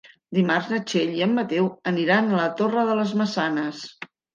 Dimarts na Txell i en Mateu aniran a la Torre de les Maçanes.